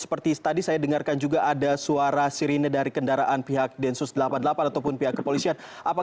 seperti tadi saya dengarkan juga ada suara sirine dari kendaraan pihak densus delapan puluh delapan ataupun pihak kepolisian